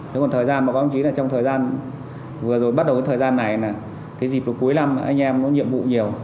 thế còn thời gian báo báo chí là trong thời gian vừa rồi bắt đầu thời gian này là cái dịp cuối năm anh em có nhiệm vụ nhiều